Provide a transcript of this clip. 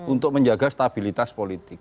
untuk menjaga stabilitas politik